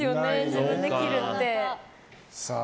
自分で切るって。